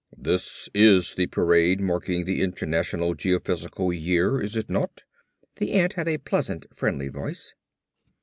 "This is the parade marking the International Geophysical Year, is it not?" The ant had a pleasant, friendly voice.